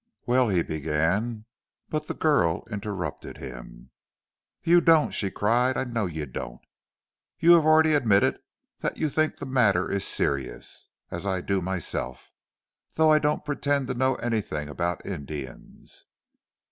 "Well " he began, but the girl interrupted him. "You don't," she cried. "I know you don't. You have already admitted that you think the matter is serious, as I do myself, though I don't pretend to know anything about Indians.